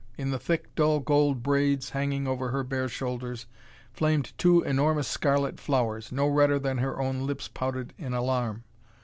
In the thick dull gold braids hanging over her bare shoulders flamed two enormous scarlet flowers, no redder than her own lips pouted in alarm.